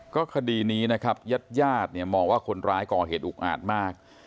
ก็คดีนี้นะครับยาดมองว่าคนร้ายก่อเหตุอุกอาจมาก